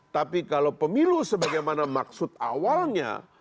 tapi kalau pemilu sebagaimana maksud awalnya